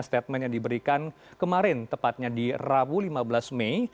statement yang diberikan kemarin tepatnya di rabu lima belas mei